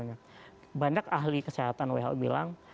karena banyak ahli kesehatan who bilang